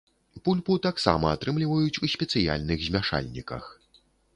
Пульпу таксама атрымліваюць у спецыяльных змяшальніках.